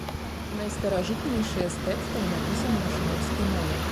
Найстаражытнейшыя з тэкстаў напісаны на шумерскай мове.